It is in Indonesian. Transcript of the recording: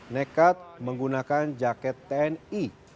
nekat menggunakan jaket tni